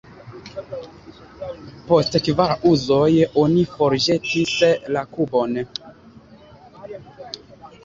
Post kvar uzoj, oni forĵetis la kubon.